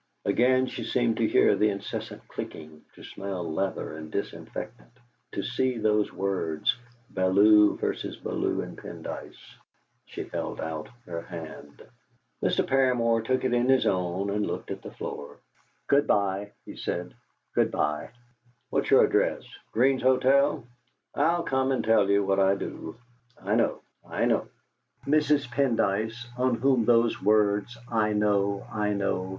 Again she seemed to hear the incessant clicking, to smell leather and disinfectant, to see those words, "Bellew v. Bellew and, Pendyce." She held out her hand. Mr. Paramor took it in his own and looked at the floor. "Good bye," he said, "good bye. What's your address Green's Hotel? I'll come and tell you what I do. I know I know!" Mrs. Pendyce, on whom those words "I know I know!"